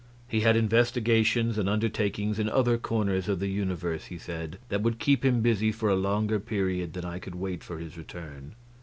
He had investigations and undertakings in other corners of the universe, he said, that would keep him busy for a longer period than I could wait for his return.